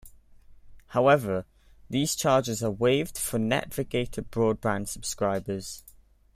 However, these charges are waived for Netvigator broadband subscribers.